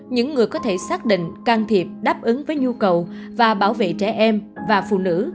những người có thể xác định can thiệp đáp ứng với nhu cầu và bảo vệ trẻ em và phụ nữ